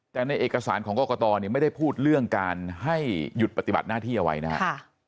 แต่ในเอกสารของกรกตเนี่ยไม่ได้พูดเรื่องการให้หยุดปฏิบัติหน้าที่เอาไว้นะครับ